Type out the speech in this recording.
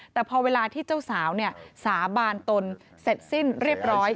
แต่พอเวลาที่เจ้าสาวสาบานตนเสร็จสิ้นเรียบร้อย